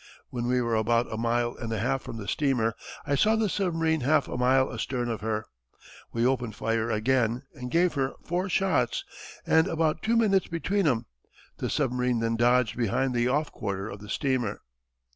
When we were about a mile and a half from the steamer I saw the submarine half a mile astern of her. We opened fire again, and gave her four shots, with about two minutes between 'em. The submarine then dodged behind the off quarter of the steamer."